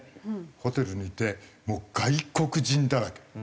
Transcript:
ホテルにいてもう外国人だらけ。